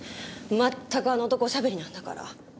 まったくあの男おしゃべりなんだから。